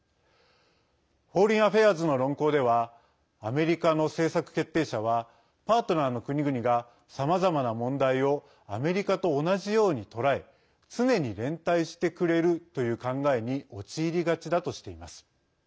「フォーリン・アフェアーズ」の論考ではアメリカの政策決定者はパートナーの国々がさまざまな問題をアメリカと同じように捉え常に連帯してくれるという考えに陥りがちだとしています。